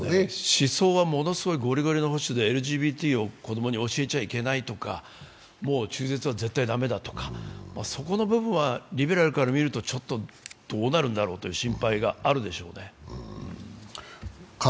思想はものすごくゴリゴリの保守でＬＧＢＴを子供に教えちゃいけないとか中絶は絶対駄目だとかそこの部分はリベラルからみると、ちょっとどうなるんだろうという心配はあるでしょうね。